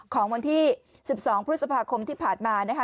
ของวันที่๑๒พฤษภาคมที่ผ่านมานะคะ